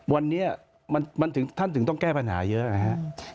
วันนี้ท่านถึงต้องแก้ปัญหาเยอะนะครับ